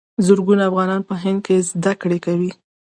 زرګونه افغانان په هند کې زده کړې کوي.